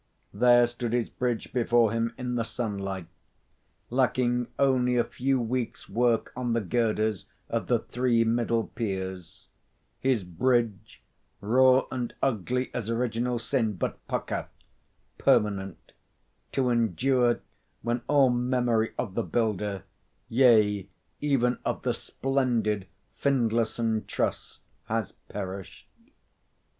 There stood his bridge before him in the sunlight, lacking only a few weeks' work on the girders of the three middle piers his bridge, raw and ugly as original sin, but pukka permanent to endure when all memory of the builder, yea, even of the splendid Findlayson truss, has perished.